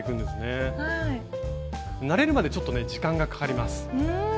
慣れるまでちょっと時間がかかります。